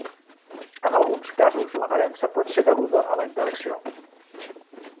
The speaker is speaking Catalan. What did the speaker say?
En alguns casos l'aparença pot ser deguda a la interacció.